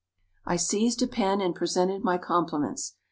I seized a pen, and presented my compliments.